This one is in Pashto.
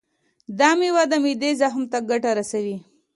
دا میوه د معدې زخم ته ګټه رسوي.